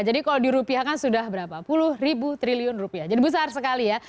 jadi kalau dirupiahkan sudah berapa sepuluh ribu triliun rupiah jadi besar sekali ya